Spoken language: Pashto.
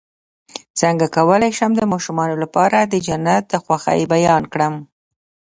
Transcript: څنګه کولی شم د ماشومانو لپاره د جنت د خوښۍ بیان کړم